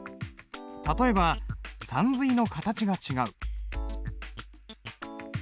例えばさんずいの形が違う。